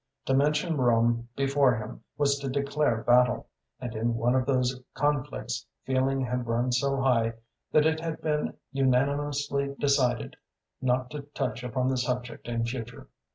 To mention Rome before him was to declare battle, and in one of these conflicts feeling had run so high that it had been unanimously decided not to touch upon the subject in future.